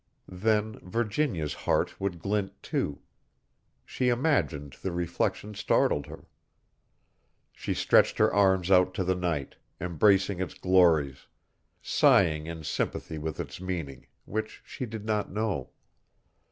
Then Virginia's heart would glint too. She imagined the reflection startled her. She stretched her arms out to the night, embracing its glories, sighing in sympathy with its meaning, which she did not know.